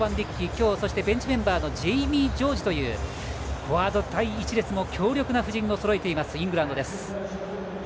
今日、ベンチメンバーのジェイミー・ジョージというフォワード第１列も強力な布陣をそろえているイングランドです。